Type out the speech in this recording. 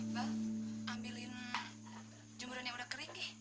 bal ambilin jumuran yang udah kering nih